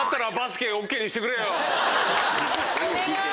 お願い！